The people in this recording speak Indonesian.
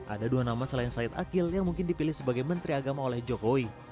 ada dua nama selain said akil yang mungkin dipilih sebagai menteri agama oleh jokowi